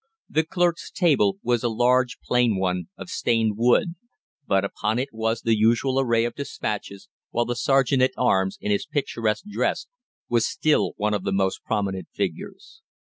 The clerks' table was a large plain one of stained wood, but upon it was the usual array of despatches, while the Serjeant at Arms, in his picturesque dress, was still one of the most prominent figures.